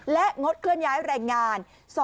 และงดเคลื่อนย้ายแรงงาน